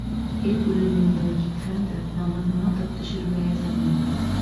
Эт үлеме менән китһәм дә, намыҫыма тап төшөрмәйәсәкмен.